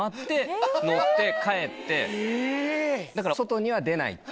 だから外には出ない。